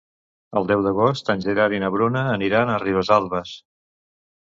El deu d'agost en Gerard i na Bruna aniran a Ribesalbes.